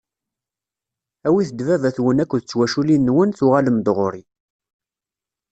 Awit-d baba-twen akked twaculin-nwen, tuɣalem-d ɣur-i.